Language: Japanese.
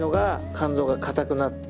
肝臓が硬くなる？